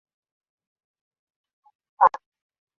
Tufike Mombasa